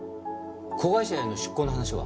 子会社への出向の話は？